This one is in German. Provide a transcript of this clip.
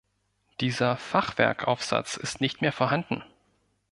Dieser Fachwerkaufsatz ist nicht mehr vorhanden.